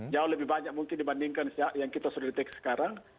jauh lebih banyak mungkin dibandingkan yang kita sudah deteksi sekarang